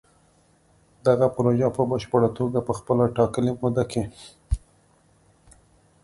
دغه پروژې به په پشپړه توګه په خپله ټاکلې موده کې